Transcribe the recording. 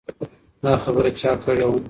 دا خبره چا کړې وه؟